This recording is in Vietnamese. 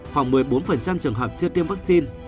khoảng một mươi bốn trường hợp chưa tiêm vaccine